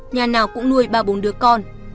nhà nào cũng nuôi ba bốn đứa con